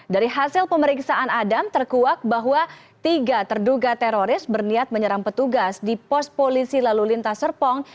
dari hasil pemeriksaan adam terkuak bahwa tiga terduga teroris berniat menyerang petugas di pos polisi lalu lintas serpong